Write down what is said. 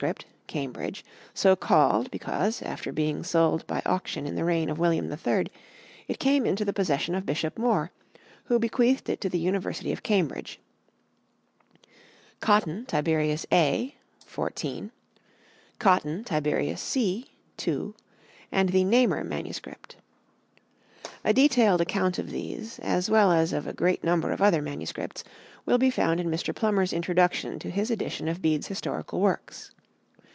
(Cambridge), so called, because, after being sold by auction in the reign of William III, it came into the possession of Bishop Moore, who bequeathed it to the University of Cambridge; Cotton, Tiberius A, xiv; Cotton, Tiberius C, ii; and the Namur MS. A detailed account of these, as well as of a great number of other manuscripts, will be found in Mr. Plummer's Introduction to his edition of Bede's Historical Works.